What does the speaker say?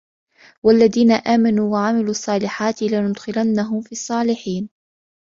وَالَّذِينَ آمَنُوا وَعَمِلُوا الصَّالِحَاتِ لَنُدْخِلَنَّهُمْ فِي الصَّالِحِينَ